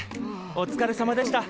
おつかれさまでした。